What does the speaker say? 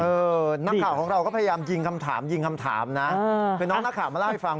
นักข่าวของเราก็พยายามยิงคำถามยิงคำถามนะคือน้องนักข่าวมาเล่าให้ฟัง